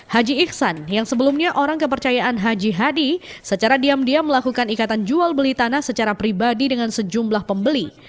haji iksan yang sebelumnya orang kepercayaan haji hadi secara diam diam melakukan ikatan jual beli tanah secara pribadi dengan sejumlah pembeli